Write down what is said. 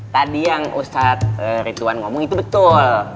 tadi yang ustadz ridwan ngomong itu betul